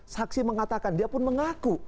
saksi mengatakan dia pun mengaku